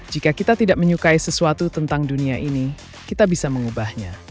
jika kita tidak menyukai sesuatu tentang dunia ini kita bisa mengubahnya